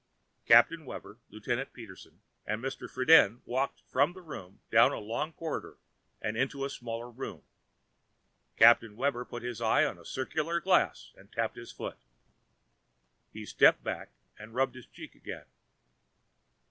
Captain Webber, Lieutenant Peterson and Mr. Friden walked from the room down a long corridor and into a smaller room. Captain Webber put his eye to a circular glass and tapped his foot. He stepped back and rubbed his cheek again.